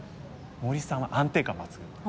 森さんは安定感抜群。